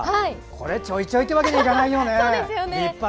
これ、ちょいちょいってわけにはいかないよね。